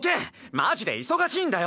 マジで忙しいんだよ！